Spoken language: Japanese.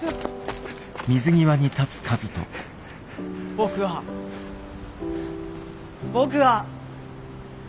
僕は僕は！